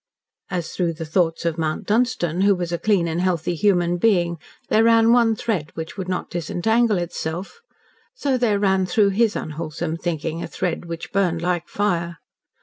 As through the thoughts of Mount Dunstan, who was a clean and healthy human being, there ran one thread which would not disentangle itself, so there ran through his unwholesome thinking a thread which burned like fire.